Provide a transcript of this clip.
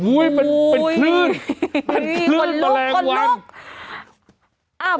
อุ๊ยเป็นคลื่นมันคลื่นตาแรงวันอุ๊ยคนนุก